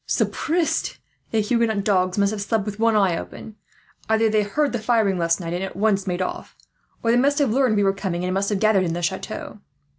"Sapristie! The Huguenot dogs must have slept with one eye open. Either they heard the firing last night, and at once made off; or they must have learned we were coming, and must have gathered in the chateau.